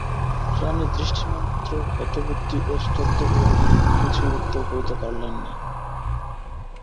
রাণী দৃষ্টিমাত্র হতবুদ্ধি ও স্তব্ধ হইয়া রহিলেন কিছুই উত্তর করিতে পারিলেন না।